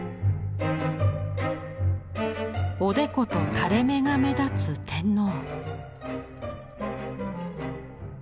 おでこと垂れ目が目立つ天皇。